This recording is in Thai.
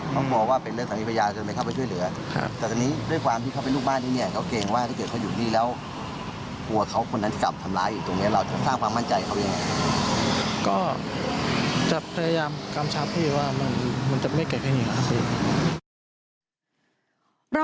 เราได้คุยกับฝ่ายชายด้วยนะคะ